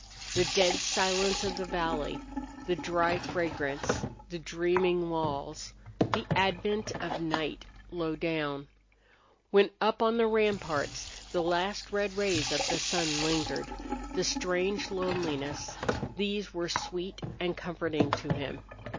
The dead silence of the valley, the dry fragrance, the dreaming walls, the advent of night low down, when up on the ramparts the last red rays of the sun lingered, the strange loneliness these were sweet and comforting to him.